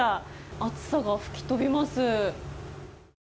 暑さが吹き飛びます。